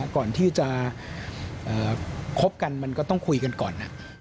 ก่อนที่จะคบกันมันก็ต้องคุยกันก่อน